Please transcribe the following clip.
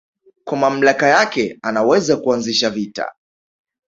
kwa mamlaka yake anaweza kuanzisha vita